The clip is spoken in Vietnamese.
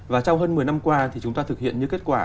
và trong hơn một mươi năm qua thì chúng ta thực hiện những kết quả